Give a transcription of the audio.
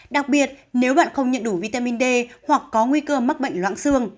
đặc biệt nếu bạn không nhận đủ vitamin d hoặc có nguy cơ mắc bệnh loãng xương